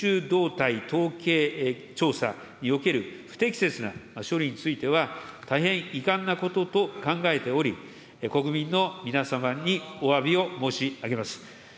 動態統計調査における不適切な処理については、大変遺憾なことと考えており、国民の皆様におわびを申し上げます。